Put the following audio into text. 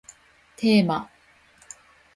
テーマ